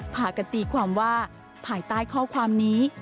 พากันตีความว่าภายใต้ข้อความนี้